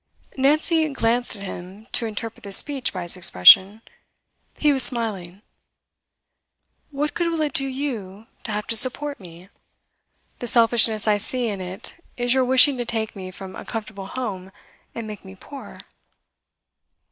Nancy glanced at him to interpret the speech by his expression. He was smiling. 'What good will it do you to have to support me? The selfishness I see in it is your wishing to take me from a comfortable home and make me poor.